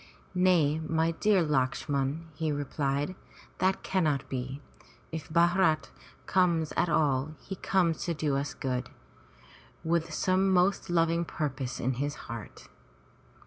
Nay, my dear Lakshman,'' he replied. "That cannot be. If Bharat comes at all, he comes to do us good, with some most loving purpose in his heart."